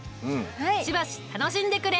しばし楽しんでくれ！